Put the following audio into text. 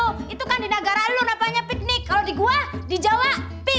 kirekanan kelihat saja banyak pohon strawberry